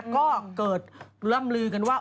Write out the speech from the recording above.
ก็เกิดล่ำลือกันว่า